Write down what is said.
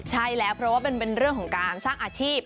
ใช่แล้วเพราะว่าเป็นเรื่องของการสร้างอาชีพ